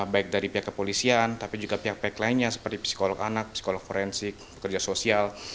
baik dari pihak kepolisian tapi juga pihak pihak lainnya seperti psikolog anak psikolog forensik pekerja sosial